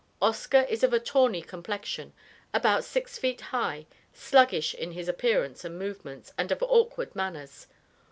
OSCAR is of a tawny complexion, about six feet high, sluggish in his appearance and movements, and of awkward manners.